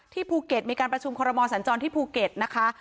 ภูเก็ตมีการประชุมคอรมอสัญจรที่ภูเก็ตนะคะ